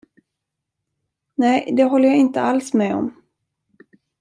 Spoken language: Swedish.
Nej, det håller jag inte alls med om.